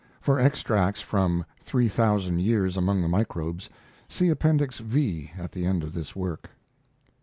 [For extracts from "3,000 Years among the Microbes" see Appendix V, at the end of this work.